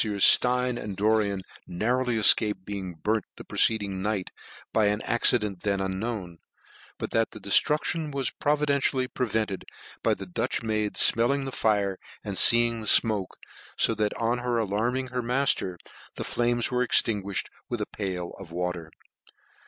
53 Meffieurs Stein and Doricn narrowly efcaped be ing burnt the preceding night, by an accident then unknown ; but that the deftruclion was pro videntially prevented by a Dutch maid fmclling the fire and feeing the fmoke, fo that on her alarming her matter, the flames were extinguished by a pail of water.